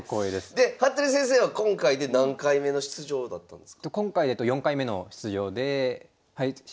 で服部先生は今回で何回目の出場だったんですか？